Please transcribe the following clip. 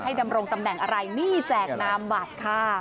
ดำรงตำแหน่งอะไรนี่แจกนามบัตรค่ะ